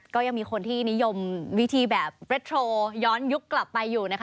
ก็ยังมีคนที่นิยมวิธีแบบเร็ดโทรย้อนยุคกลับไปอยู่นะคะ